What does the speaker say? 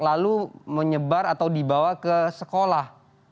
lalu menyebar atau dibawa ke sekolah